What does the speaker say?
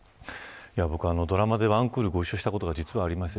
僕はドラマでワンクールご一緒したことが実はありました。